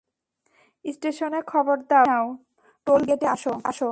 স্টেশনে খবর দাও, গাড়ি নাও, টোল গেটে আসো।